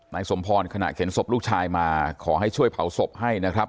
นายสมพรขณะเข็นศพลูกชายมาขอให้ช่วยเผาศพให้นะครับ